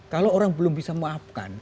kalau orang belum bisa memaafkan